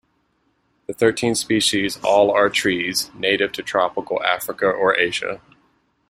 The thirteen species all are trees, native to tropical Africa or Asia.